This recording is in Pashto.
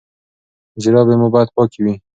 جرابې مو باید پاکې وي.